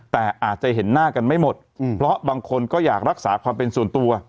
แต่อาจจะเห็นหน้ากันไม่หมดเพราะบางคนก็อยากรักษาความเป็นส่วนตัว